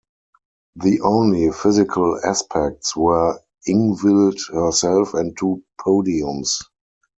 The only physical aspects were Ingvild herself and two podiums.